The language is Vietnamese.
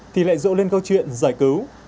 thì lại dỗ lên câu chuyện giải cứu